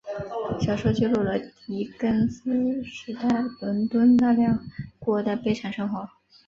小说揭露了狄更斯时代伦敦大量孤儿的悲惨生活。